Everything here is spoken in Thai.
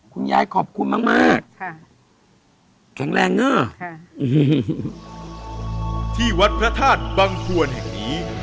คุณยายขอบคุณมากแข็งแรงเนอะที่วัดพระธาตุบังควรแห่งนี้